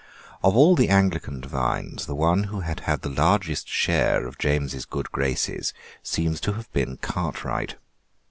Of all the Anglican divines the one who had the largest share of James's good graces seems to have been Cartwright.